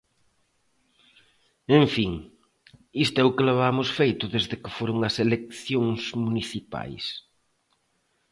En fin, isto é o que levamos feito desde que foron as eleccións municipais.